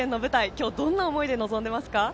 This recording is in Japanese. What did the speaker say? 今日、どんな思いで臨んでいますか。